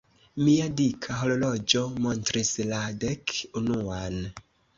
Mia dika horloĝo montris la dek-unuan.